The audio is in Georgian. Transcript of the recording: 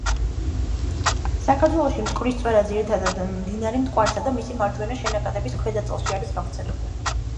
საქართველოში მტკვრის წვერა ძირითადად მდინარე მტკვარსა და მისი მარჯვენა შენაკადების ქვედა წელში არის გავრცელებული.